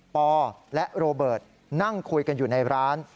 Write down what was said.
ปอและโรเบิร์ตนั่งคุยกันอยู่ในร้าน